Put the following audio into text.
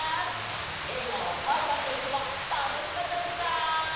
「映画おかあさんといっしょ」はたのしかったですか？